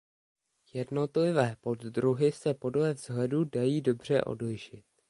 Jednotlivé poddruhy se podle vzhledu dají dobře odlišit.